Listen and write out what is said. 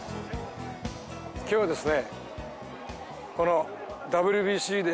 今日はですね